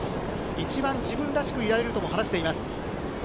一番自分らしくいられるとも話しています。